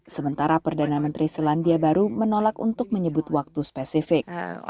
sementara perdana menteri selandia baru menolak untuk menyebut waktu spesifik